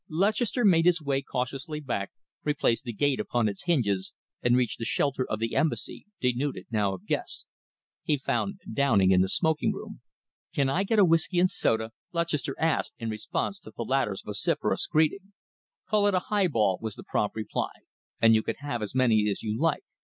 Lutchester made his way cautiously back, replaced the gate upon its hinges and reached the shelter of the Embassy, denuded now of guests. He found Downing in the smoking room. "Can I get a whisky and soda?" Lutchester asked, in response to the latter's vociferous greeting. "Call it a highball," was the prompt reply, "and you can have as many as you like.